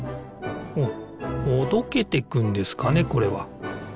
ほどけていくんですかねこれは。